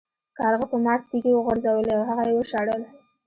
کارغه په مار تیږې وغورځولې او هغه یې وشړل.